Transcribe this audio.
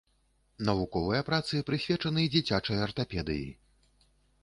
Навуковыя працы прысвечаны дзіцячай артапедыі.